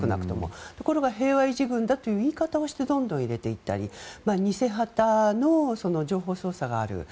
ところが平和維持軍だという言い方をしてどんどん入れていったり偽旗の情報操作がある。